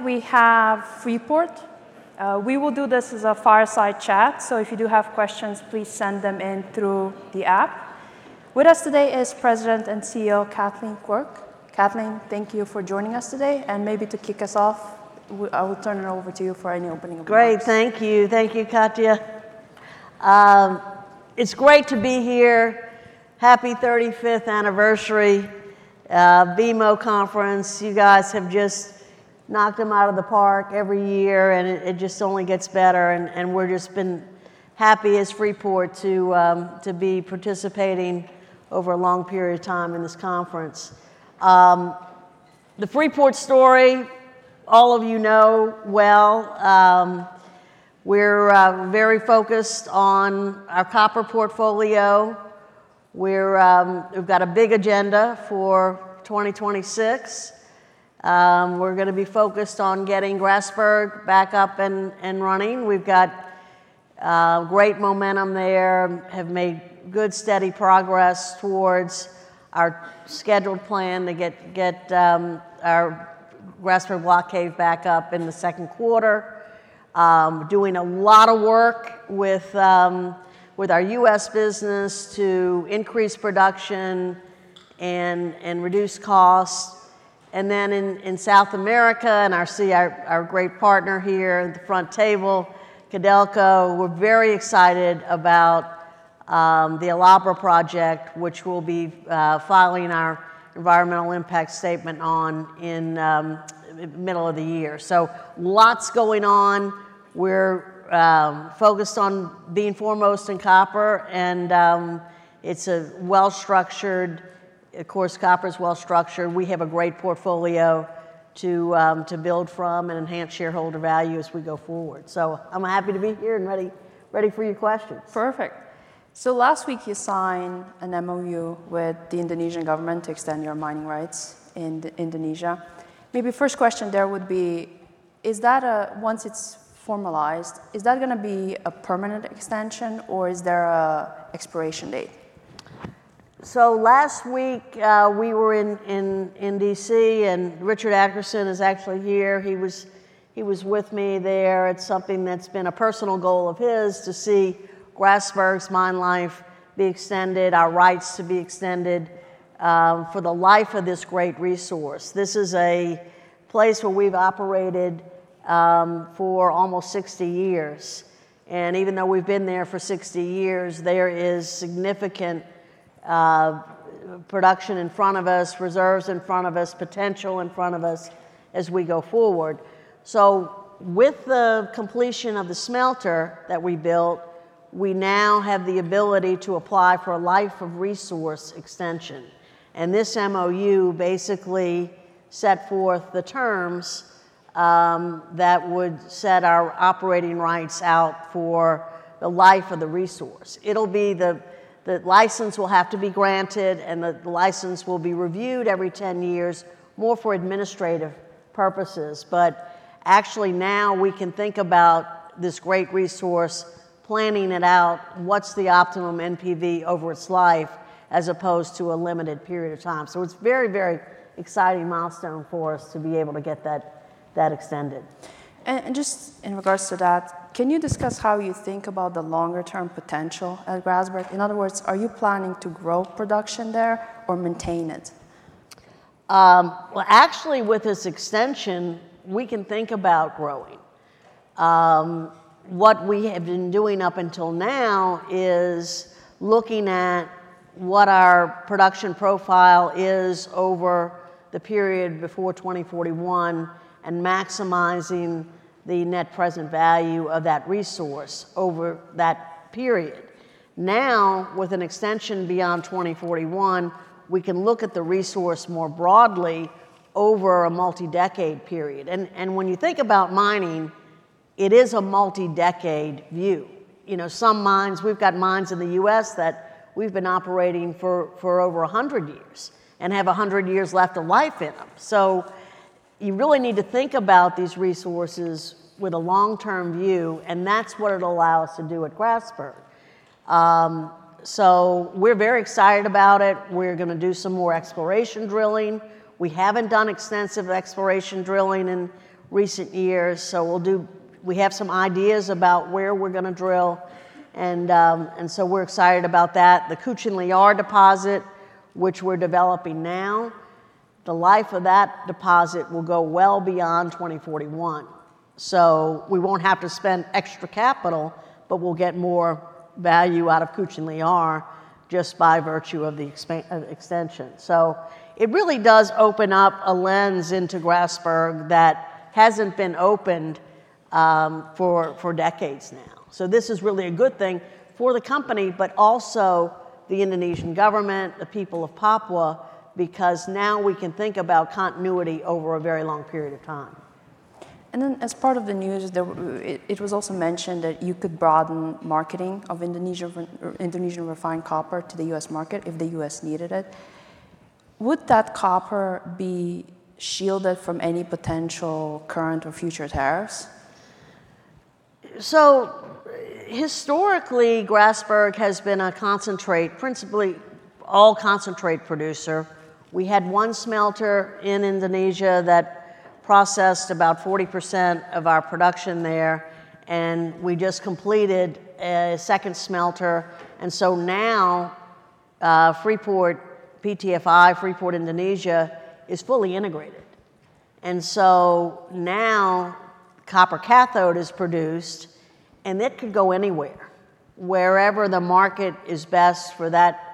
We have Freeport. We will do this as a fireside chat, so if you do have questions, please send them in through the app. With us today is President and CEO Kathleen Quirk. Kathleen, thank you for joining us today, and maybe to kick us off, I will turn it over to you for any opening remarks. Great, thank you. Thank you, Katja. It's great to be here. Happy 35th anniversary, BMO conference. You guys have just knocked them out of the park every year, and it just only gets better, and we're just been happy as Freeport-McMoRan to be participating over a long period of time in this conference. The Freeport-McMoRan story, all of you know well. We're very focused on our copper portfolio. We've got a big agenda for 2026. We're gonna be focused on getting Grasberg back up and running. We've got great momentum there, have made good, steady progress towards our scheduled plan to get our Grasberg block cave back up in the second quarter. Doing a lot of work with our US business to increase production and reduce costs. In South America, I see our great partner here at the front table, Codelco, we're very excited about the El Abra project, which we'll be filing our Environmental Impact Statement on in the middle of the year. Lots going on. We're focused on being foremost in copper, and of course, copper's well-structured. We have a great portfolio to build from and enhance shareholder value as we go forward. I'm happy to be here and ready for your questions. Perfect. Last week, you signed an MOU with the Indonesian government to extend your mining rights in Indonesia. Maybe first question there would be, is that once it's formalized, is that going to be a permanent extension, or is there a expiration date? Last week, we were in D.C. Richard Adkerson is actually here. He was with me there. It's something that's been a personal goal of his to see Grasberg's mine life be extended, our rights to be extended, for the life of this great resource. This is a place where we've operated for almost 60 years. Even though we've been there for 60 years, there is significant production in front of us, reserves in front of us, potential in front of us as we go forward. With the completion of the smelter that we built, we now have the ability to apply for a life of resource extension. This MOU basically set forth the terms that would set our operating rights out for the life of the resource. It'll be the license will have to be granted, and the license will be reviewed every 10 years, more for administrative purposes. Actually now, we can think about this great resource, planning it out, what's the optimum NPV over its life, as opposed to a limited period of time. It's a very, very exciting milestone for us to be able to get that extended. Just in regards to that, can you discuss how you think about the longer-term potential at Grasberg? In other words, are you planning to grow production there or maintain it? Well, actually, with this extension, we can think about growing. What we have been doing up until now is looking at what our production profile is over the period before 2041 and maximizing the net present value of that resource over that period. Now, with an extension beyond 2041, we can look at the resource more broadly over a multi-decade period. When you think about mining, it is a multi-decade view. You know, some mines, we've got mines in the U.S. that we've been operating for over 100 years and have 100 years left of life in them. You really need to think about these resources with a long-term view, and that's what it'll allow us to do at Grasberg. We're very excited about it. We're gonna do some more exploration drilling. We haven't done extensive exploration drilling in recent years. We have some ideas about where we're gonna drill, and so we're excited about that. The Kucing Liar deposit, which we're developing now, the life of that deposit will go well beyond 2041. We won't have to spend extra capital, but we'll get more value out of Kucing Liar just by virtue of the extension. It really does open up a lens into Grasberg that hasn't been opened for decades now. This is really a good thing for the company, but also the Indonesian government, the people of Papua, because now we can think about continuity over a very long period of time. As part of the news, it was also mentioned that you could broaden marketing of Indonesian refined copper to the U.S. market if the U.S. needed it. Would that copper be shielded from any potential current or future tariffs? Historically, Grasberg has been a concentrate, principally all concentrate producer. We had one smelter in Indonesia that processed about 40% of our production there, and we just completed a second smelter. Now, Freeport, PTFI, Freeport Indonesia, is fully integrated. Now, copper cathode is produced, and it could go anywhere. Wherever the market is best for that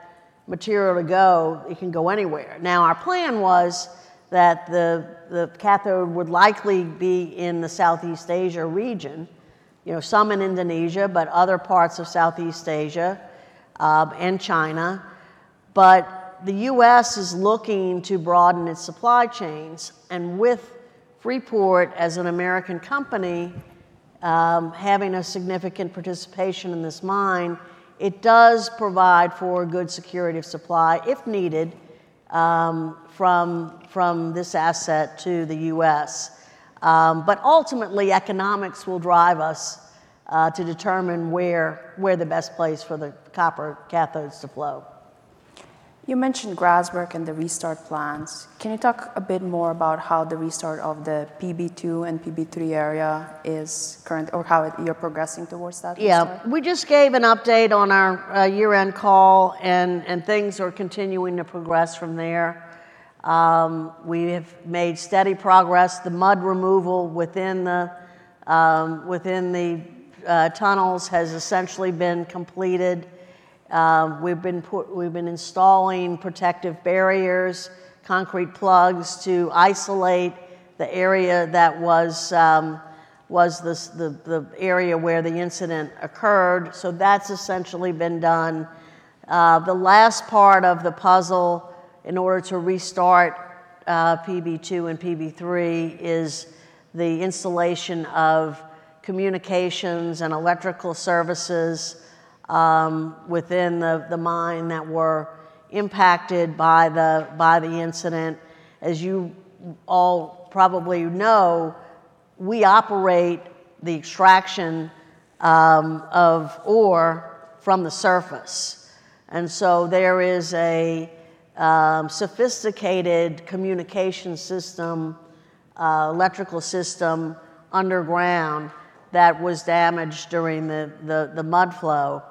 material to go, it can go anywhere. Now, our plan was that the cathode would likely be in the Southeast Asia region, you know, some in Indonesia, but other parts of Southeast Asia, and China. The U.S. is looking to broaden its supply chains, and with Freeport as an American company, having a significant participation in this mine, it does provide for good security of supply, if needed, from this asset to the U.S. Ultimately, economics will drive us to determine where the best place for the copper cathodes to flow. You mentioned Grasberg and the restart plans. Can you talk a bit more about how the restart of the PB2 and PB3 area is or how it you're progressing towards that restart? Yeah. We just gave an update on our year-end call, things are continuing to progress from there. We have made steady progress. The mud removal within the tunnels has essentially been completed. We've been installing protective barriers, concrete plugs to isolate the area that was the area where the incident occurred. That's essentially been done. The last part of the puzzle in order to restart PB2 and PB3 is the installation of communications and electrical services within the mine that were impacted by the incident. As you all probably know, we operate the extraction of ore from the surface, there is a sophisticated communication system, electrical system underground that was damaged during the mudflow.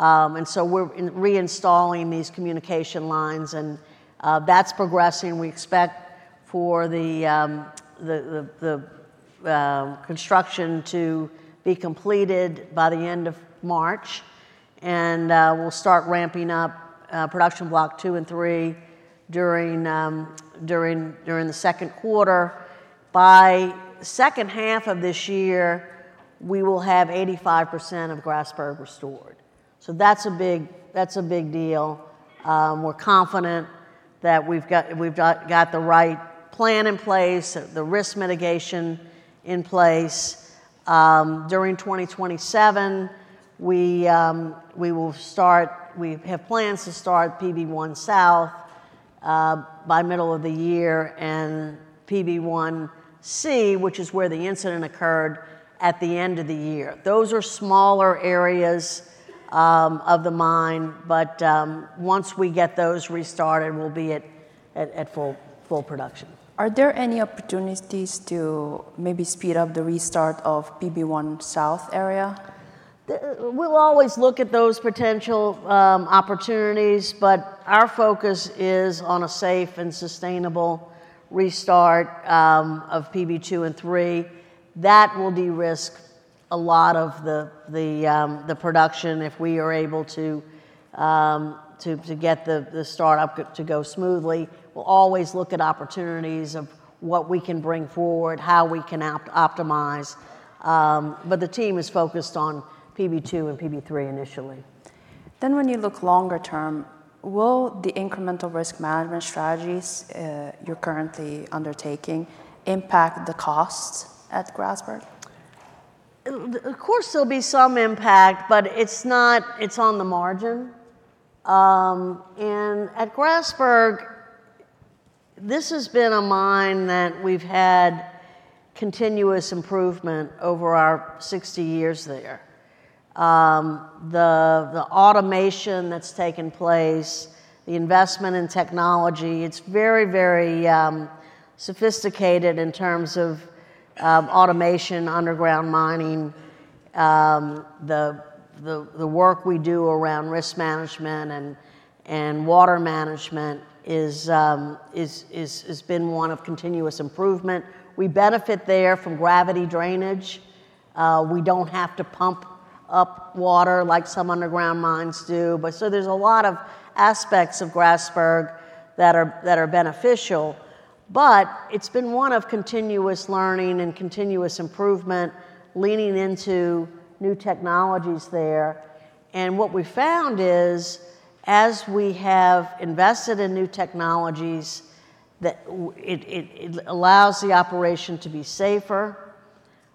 We're reinstalling these communication lines, that's progressing. We expect for the construction to be completed by the end of March, we'll start ramping up production block 2 and 3 during the second quarter. By second half of this year, we will have 85% of Grasberg restored. That's a big deal. We're confident that we've got the right plan in place, the risk mitigation in place. During 2027, we have plans to start PB1 South by middle of the year and PB1C, which is where the incident occurred, at the end of the year. Those are smaller areas of the mine, once we get those restarted, we'll be at full production. Are there any opportunities to maybe speed up the restart of PB1 South area? We'll always look at those potential opportunities. Our focus is on a safe and sustainable restart of PB2 and 3. That will de-risk a lot of the production if we are able to get the startup to go smoothly. We'll always look at opportunities of what we can bring forward, how we can optimize. The team is focused on PB2 and PB3 initially. When you look longer term, will the incremental risk management strategies, you're currently undertaking impact the costs at Grasberg? Of course, there'll be some impact. It's on the margin. At Grasberg, this has been a mine that we've had continuous improvement over our 60 years there. The automation that's taken place, the investment in technology, it's very sophisticated in terms of automation, underground mining. The work we do around risk management and water management has been one of continuous improvement. We benefit there from gravity drainage. We don't have to pump up water like some underground mines do. There's a lot of aspects of Grasberg that are beneficial, but it's been one of continuous learning and continuous improvement, leaning into new technologies there. What we found is, as we have invested in new technologies, that it allows the operation to be safer.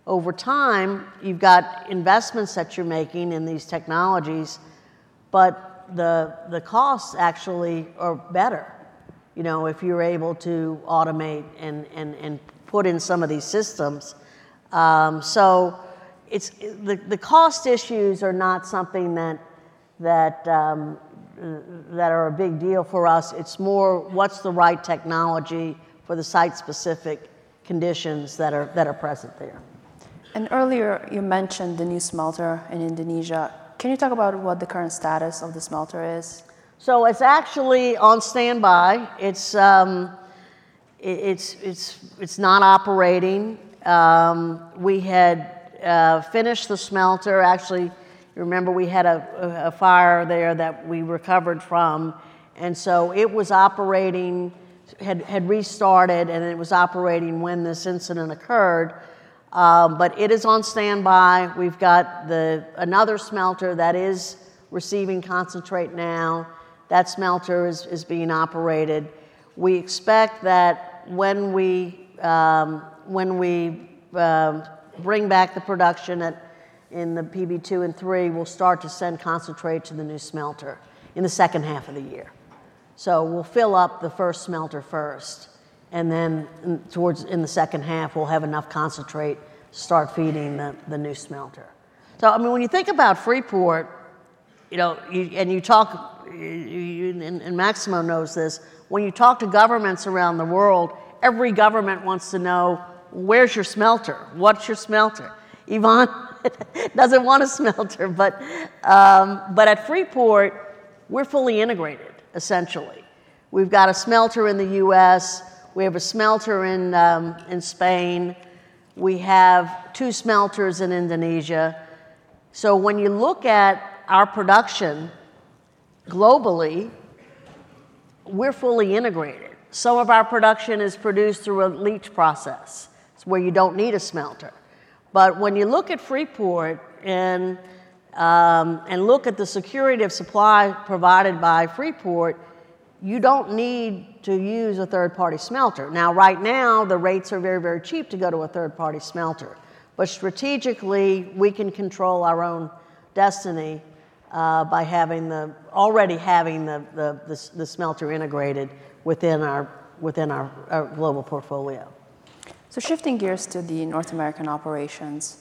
Over time, you've got investments that you're making in these technologies, but the costs actually are better, you know, if you're able to automate and put in some of these systems. It's the cost issues are not something that are a big deal for us. It's more, what's the right technology for the site-specific conditions that are present there? Earlier, you mentioned the new smelter in Indonesia. Can you talk about what the current status of the smelter is? It's actually on standby. It's not operating. We had finished the smelter. Actually, you remember we had a fire there that we recovered from, it was operating, had restarted, and it was operating when this incident occurred. It is on standby. We've got another smelter that is receiving concentrate now. That smelter is being operated. We expect that when we bring back the production at, in the PB2 and 3, we'll start to send concentrate to the new smelter in the second half of the year. We'll fill up the first smelter first, and then, towards in the second half, we'll have enough concentrate to start feeding the new smelter. I mean, when you think about Freeport-McMoRan, you know, you... You talk, and Maximo knows this, when you talk to governments around the world, every government wants to know, "Where's your smelter? What's your smelter?" Ivan doesn't want a smelter, at Freeport-McMoRan, we're fully integrated, essentially. We've got a smelter in the U.S., we have a smelter in Spain, we have 2 smelters in Indonesia. When you look at our production globally, we're fully integrated. Some of our production is produced through a leach process. It's where you don't need a smelter. When you look at Freeport-McMoRan and look at the security of supply provided by Freeport-McMoRan, you don't need to use a third-party smelter. Right now, the rates are very, very cheap to go to a third-party smelter, but strategically, we can control our own destiny by already having the smelter integrated within our, within our global portfolio. Shifting gears to the North American operations,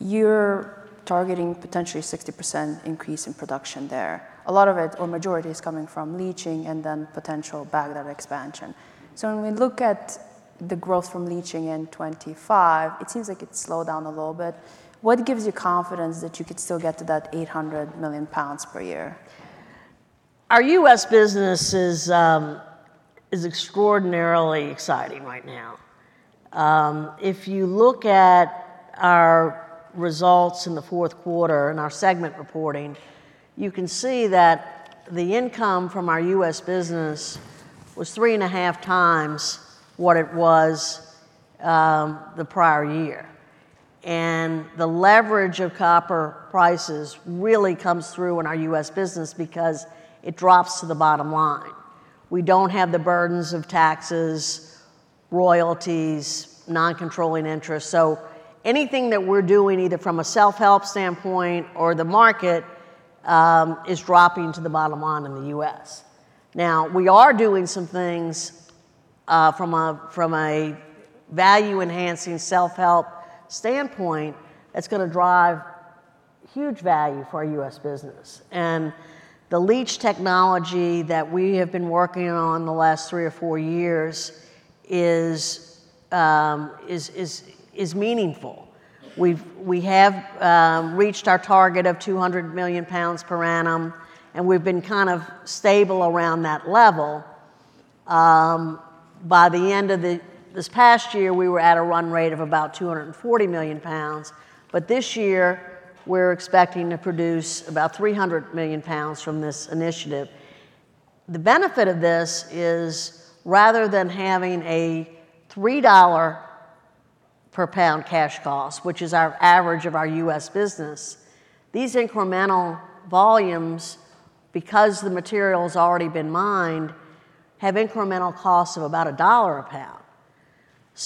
you're targeting potentially 60% increase in production there. A lot of it, or majority, is coming from leaching and then potential Bagdad expansion. When we look at the growth from leaching in 2025, it seems like it slowed down a little bit. What gives you confidence that you could still get to that 800 million pounds per year? Our U.S. business is extraordinarily exciting right now. If you look at our results in the fourth quarter and our segment reporting, you can see that the income from our U.S. business was 3.5x what it was the prior year. The leverage of copper prices really comes through in our U.S. business because it drops to the bottom line. We don't have the burdens of taxes, royalties, non-controlling interests. Anything that we're doing, either from a self-help standpoint or the market, is dropping to the bottom line in the U.S. We are doing some things from a value-enhancing, self-help standpoint that's gonna drive huge value for our U.S. business. The leach technology that we have been working on the last three or four years is meaningful. We have reached our target of 200 million pounds per annum. We've been kind of stable around that level. By the end of this past year, we were at a run rate of about 240 million pounds. This year, we're expecting to produce about 300 million pounds from this initiative. The benefit of this is, rather than having a $3-per-pound cash cost, which is our average of our U.S. business, these incremental volumes, because the material's already been mined, have incremental costs of about $1 a pound.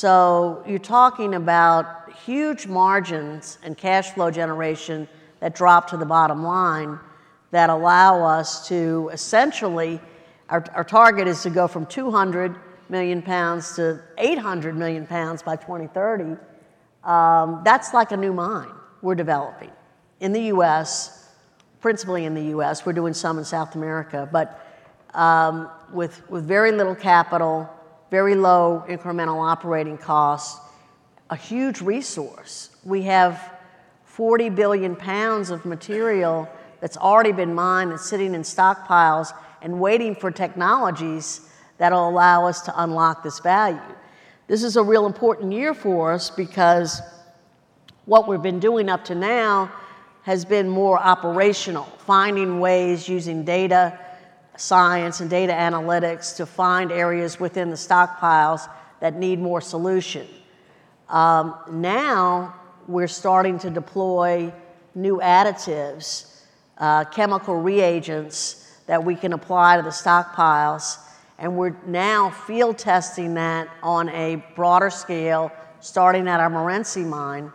You're talking about huge margins and cash flow generation that drop to the bottom line that allow us to essentially. Our target is to go from 200 million pounds to 800 million pounds by 2030. That's like a new mine we're developing in the U.S., principally in the U.S. We're doing some in South America, but with very little capital, very low incremental operating costs, a huge resource. We have 40 billion pounds of material that's already been mined and sitting in stockpiles and waiting for technologies that will allow us to unlock this value. This is a real important year for us because what we've been doing up to now has been more operational, finding ways, using data science and data analytics, to find areas within the stockpiles that need more solution. Now we're starting to deploy new additives, chemical reagents that we can apply to the stockpiles, and we're now field testing that on a broader scale, starting at our Morenci mine.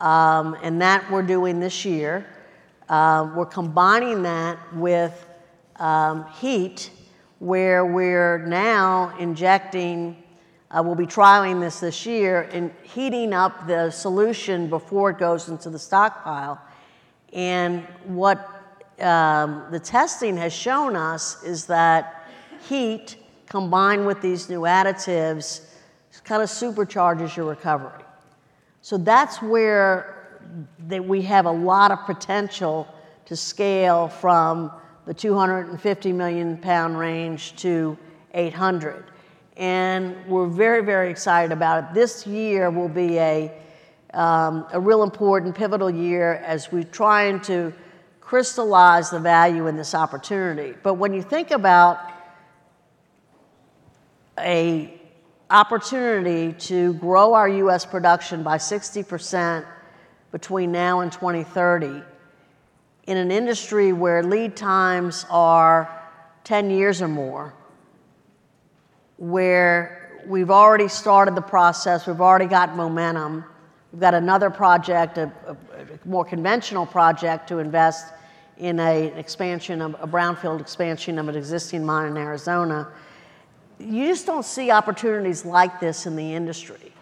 That we're doing this year. We're combining that with heat, where we're now injecting, we'll be trialing this this year, and heating up the solution before it goes into the stockpile. What, the testing has shown us is that heat, combined with these new additives, kind of supercharges your recovery. That's where that we have a lot of potential to scale from the 250 million pound range to 800, and we're very, very excited about it. This year will be a real important pivotal year as we're trying to crystallize the value in this opportunity. When you think about a opportunity to grow our U.S. production by 60% between now and 2030, in an industry where lead times are 10 years or more, where we've already started the process, we've already got momentum. We've got another project, a more conventional project, to invest in a brownfield expansion of an existing mine in Arizona. You just don't see opportunities like this in the industry.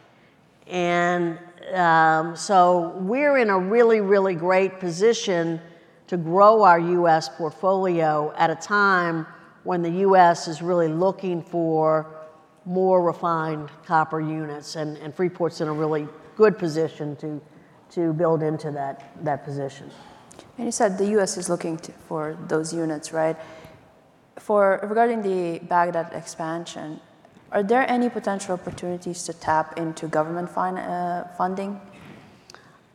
We're in a really great position to grow our U.S. portfolio at a time when the U.S. is really looking for more refined copper units, and Freeport-McMoRan's in a really good position to build into that position. You said the U.S. is looking for those units, right? Regarding the Bagdad expansion, are there any potential opportunities to tap into government funding?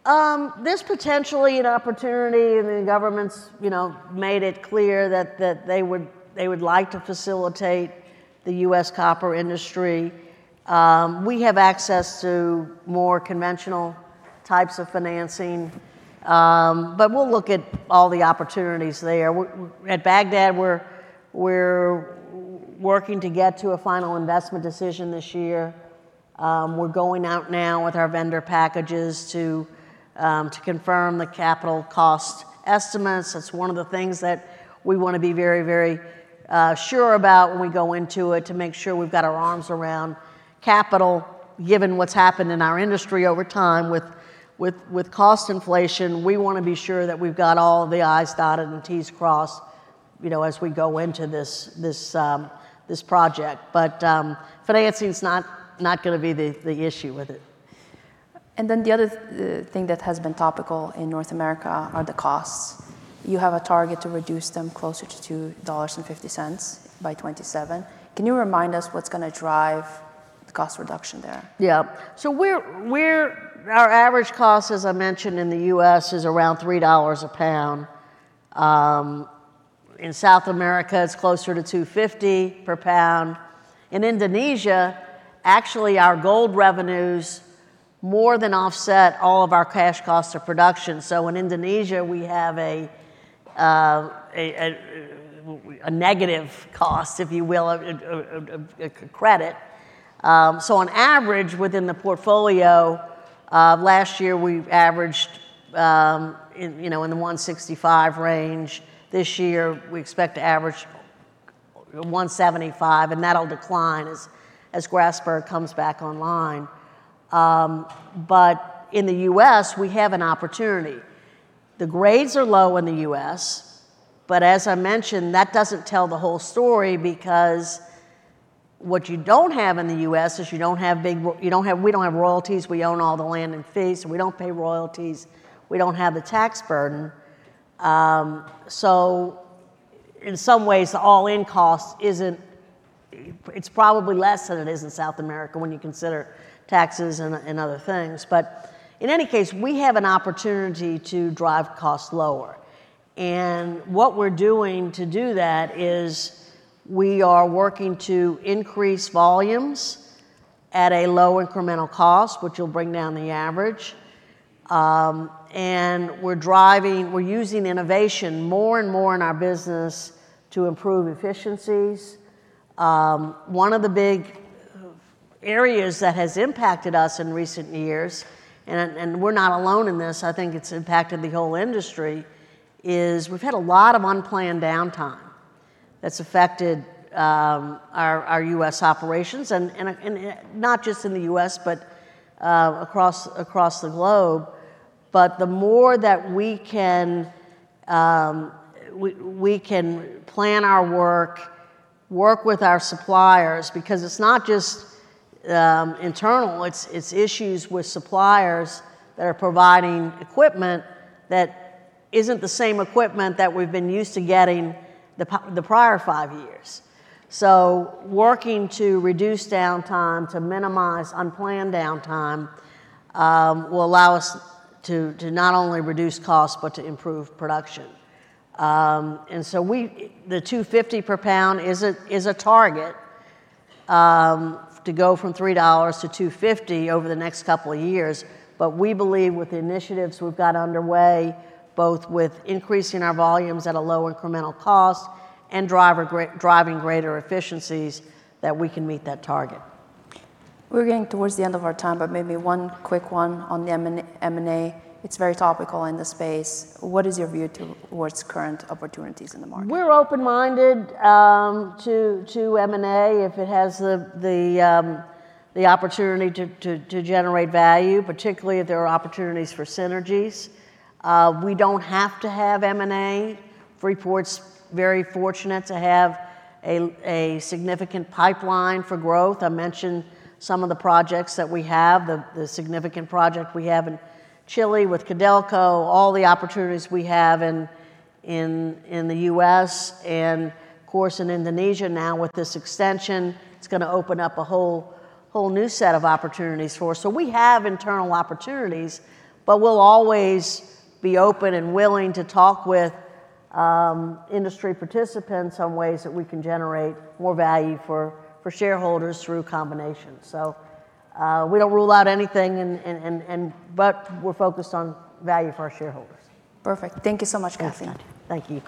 There's potentially an opportunity, the government's, you know, made it clear that they would, they would like to facilitate the U.S. copper industry. We have access to more conventional types of financing, but we'll look at all the opportunities there. At Bagdad, we're working to get to a final investment decision this year. We're going out now with our vendor packages to confirm the capital cost estimates. That's one of the things that we want to be very sure about when we go into it, to make sure we've got our arms around capital. Given what's happened in our industry over time with cost inflation, we want to be sure that we've got all the I's dotted and T's crossed, you know, as we go into this project. Financing's not gonna be the issue with it. The other thing that has been topical in North America are the costs. You have a target to reduce them closer to $2.50 by 2027. Can you remind us what's gonna drive the cost reduction there? Yeah. We're our average cost, as I mentioned, in the US, is around $3 a pound. In South America, it's closer to $2.50 per pound. In Indonesia, actually, our gold revenues more than offset all of our cash costs of production. In Indonesia, we have a negative cost, if you will, a credit. On average, within the portfolio, last year we averaged, in, you know, in the $1.65 range. This year, we expect to average $1.75, and that'll decline as Grasberg comes back online. In the US, we have an opportunity. The grades are low in the U.S., but as I mentioned, that doesn't tell the whole story because what you don't have in the U.S. is you don't have-- we don't have royalties. We own all the land and fees, so we don't pay royalties. We don't have the tax burden. In some ways, the all-in cost isn't... It's probably less than it is in South America when you consider taxes and other things. In any case, we have an opportunity to drive costs lower, and what we're doing to do that is we are working to increase volumes at a low incremental cost, which will bring down the average. We're using innovation more and more in our business to improve efficiencies. One of the big areas that has impacted us in recent years, and we're not alone in this, I think it's impacted the whole industry, is we've had a lot of unplanned downtime that's affected our U.S. operations and not just in the U.S., but across the globe. The more that we can plan our work with our suppliers, because it's not just internal, it's issues with suppliers that are providing equipment that isn't the same equipment that we've been used to getting the prior five years. Working to reduce downtime, to minimize unplanned downtime, will allow us to not only reduce costs, but to improve production. We... The $2.50 per pound is a target, to go from $3 to $2.50 over the next couple of years. We believe with the initiatives we've got underway, both with increasing our volumes at a low incremental cost and driving greater efficiencies, that we can meet that target. We're getting towards the end of our time, but maybe one quick one on the M&A. It's very topical in this space. What is your view towards current opportunities in the market? We're open-minded to M&A, if it has the opportunity to generate value, particularly if there are opportunities for synergies. We don't have to have M&A. Freeport-McMoRan's very fortunate to have a significant pipeline for growth. I mentioned some of the projects that we have, the significant project we have in Chile with Codelco, all the opportunities we have in the U.S., and of course, in Indonesia now with this extension. It's gonna open up a whole new set of opportunities for us. We have internal opportunities, but we'll always be open and willing to talk with industry participants on ways that we can generate more value for shareholders through combination. We don't rule out anything, and we're focused on value for our shareholders. Perfect. Thank you so much, Kathleen. Thank you.